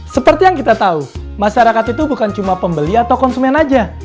seperti yang kita tahu masyarakat itu bukan cuma pembeli atau konsumen aja